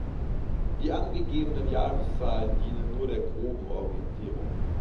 Die angegebenen Jahreszahlen dienen nur der groben Orientierung.